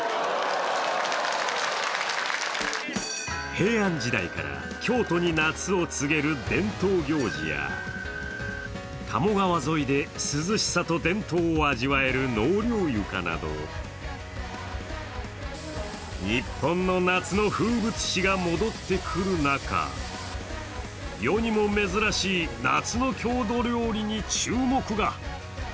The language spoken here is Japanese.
平安時代から京都に夏を告げる伝統行事や鴨川沿いで涼しさと伝統を味わえる納涼床など日本の夏の風物詩が戻ってくる中、世にも珍しい夏の郷土料理に注目が。